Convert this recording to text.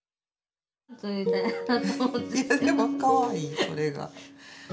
でもかわいいそれが。